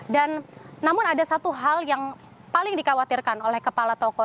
dan namun ada satu hal yang paling dikhawatirkan oleh kepala toko